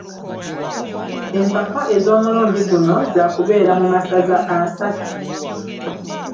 Empaka ez’omulundi guno zaakubeera mu masaza asatu.